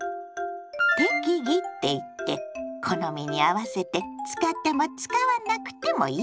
「適宜」っていって好みに合わせて使っても使わなくてもいいってこと。